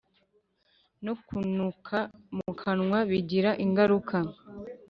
Nokunuka mukanwa bigira ingaruka